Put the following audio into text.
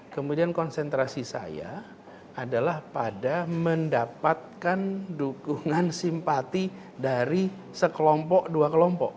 kemudian konsentrasi saya adalah pada mendapatkan dukungan simpati dari sekelompok dua kelompok